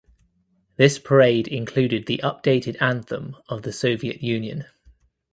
This parade included the updated anthem of the Soviet Union.